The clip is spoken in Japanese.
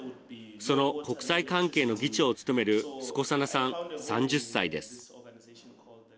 その国際関係の議長を務めるスコサナさん、３０歳です。